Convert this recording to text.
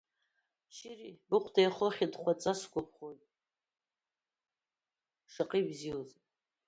Шьыри, быхәда иахоу ахьы-хәыдхаҵа сгәаԥхеит, шаҟа ибзиоузеи!